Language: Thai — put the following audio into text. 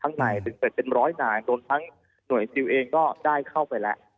ข้างในเป็นร้อยนานโดนทั้งหน่วยซิลเองก็ได้เข้าไปแล้ว